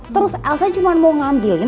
terus elsa cuma mau ngambilin